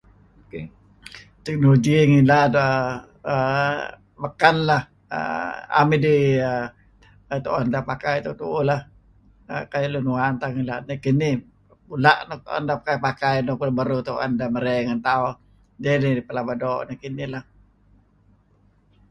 Technology ngilad [er er] beken lah err 'am idih err tu'en deh pakai deh tu'uh-tu'uh lah kayu' lun uwan tauh ngilad, nekinih mula' nuk' tuen deh pakai-pakai nuk beruh-beruh berey deh ngen tauh deh nidih pelaba doo' ngen tauh lah.